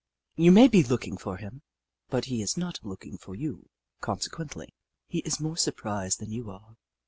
You may be looking for him, but he is not looking for you ; consequently, he is more surprised than you are.